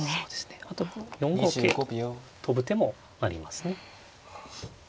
あと４五桂と跳ぶ手もありますね。